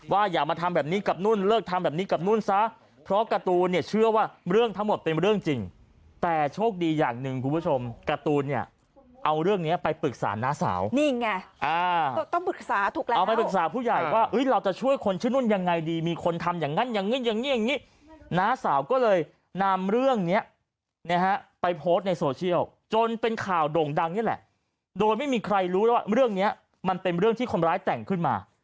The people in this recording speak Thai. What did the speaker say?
ว่าอย่ามาทำแบบนี้กับนู้นเลิกทำแบบนี้กับนู้นซะเพราะการ์ตูนเนี่ยเชื่อว่าเรื่องทั้งหมดเป็นเรื่องจริงแต่โชคดีอย่างหนึ่งคุณผู้ชมการ์ตูนเนี่ยเอาเรื่องนี้ไปปรึกษาน้าสาวนี่ไงต้องปรึกษาถูกแล้วเอาไปปรึกษาผู้ใหญ่ว่าเราจะช่วยคนชื่ออำนวยยังไงดีมีคนทำอย่างนั้นอย่างนี้อย่างนี้อย่างนี้น้าสาวก็เลยนำเรื่